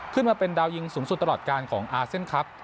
ขึ้นมาเป็นดาวยิงสูงสุดตลอดการของอาเซียนครับ